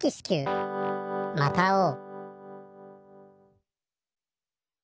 また会おう。